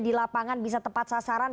di lapangan bisa tepat sasaran